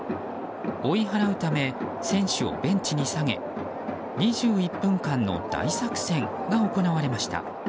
追い払うため選手をベンチに下げ２１分間の大作戦が行われました。